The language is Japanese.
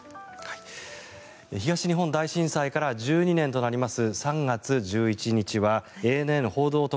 東日本大震災から１２年となります